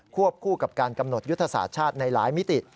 วบคู่กับการกำหนดยุทธศาสตร์ชาติในหลายมิติ